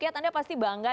ya senang ya bangga